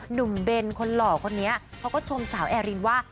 หนุ่มเบนคนหล่อคนนี้เขาก็ชมสาวแอรินว่า